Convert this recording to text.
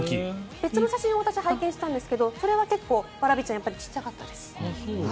別の写真を私、拝見したんですがそれは、わらびちゃん小さかったです。